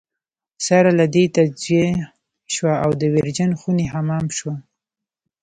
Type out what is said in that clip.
سره له دې تجزیه شوه او د ویرجن خوني حمام شوه.